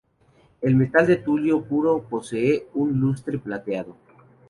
El metal de Tulio puro posee un lustre plateado.